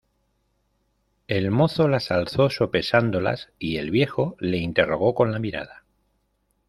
el mozo las alzó sopesándolas, y el viejo le interrogó con la mirada: